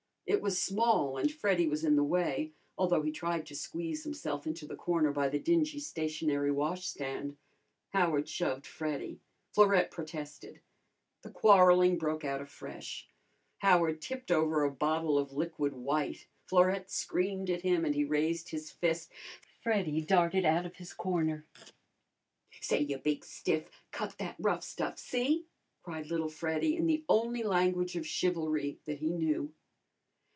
It was small, and Freddy was in the way, although he tried to squeeze himself into the corner by the dingy stationary washstand. Howard shoved Freddy. Florette protested. The quarrelling broke out afresh. Howard tipped over a bottle of liquid white. Florette screamed at him, and he raised his fist. Freddy darted out of his corner. "Say, ya big stiff, cut out that rough stuff, see?" cried little Freddy in the only language of chivalry that he knew.